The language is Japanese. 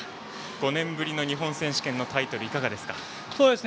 ５年ぶりの日本選手権のタイトルはいかがですか？